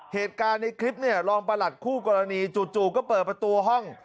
เหตุการณ์ในคลิปเนี่ยรองประหลัดคู่กรณีจู่ก็เปิดประตูห้อง